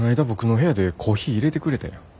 僕の部屋でコーヒーいれてくれたやん。